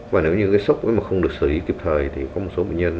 và nếu như cái sốc mà không được xử lý kịp thời thì có một số bệnh nhân